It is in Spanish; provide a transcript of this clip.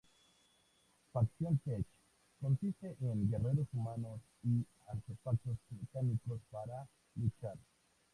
Facción Tech: Consiste en guerreros humanos y artefactos mecánicos para luchar.